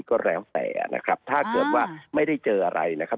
ก็แล้วแต่นะครับถ้าเกิดว่าไม่ได้เจออะไรนะครับ